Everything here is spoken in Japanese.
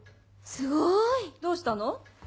すごい！どうしたの？